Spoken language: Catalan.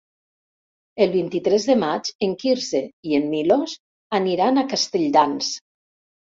El vint-i-tres de maig en Quirze i en Milos aniran a Castelldans.